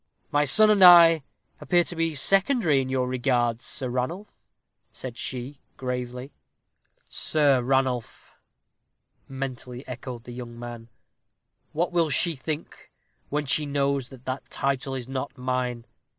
"My son and I appear to be secondary in your regards, Sir Ranulph," said she, gravely. "Sir Ranulph!" mentally echoed the young man. "What will she think when she knows that that title is not mine?